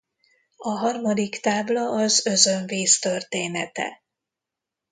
A harmadik tábla az özönvíz története.